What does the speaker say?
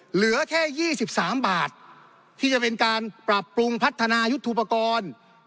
เหลือแค่๒๓บาทที่จะเป็นการปรับปรุงพัฒนายุทธุปกรณ์